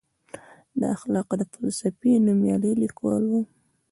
د اخلاقو د فلسفې نوميالی لیکوال و.